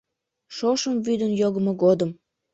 Шошым вӱдын йогымо годым